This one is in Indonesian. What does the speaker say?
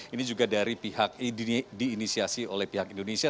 ini juga dari pihak diinisiasi oleh pihak indonesia